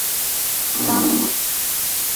札木合。